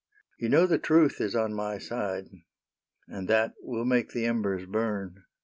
You know the truth is on my side. And that will make the embers burn.